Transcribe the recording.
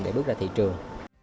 để bước ra thị trường